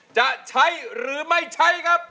จะใช้หรือไม่ใช้ครับ